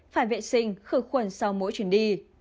phải vệ sinh khử khuẩn sau mỗi chuyển đi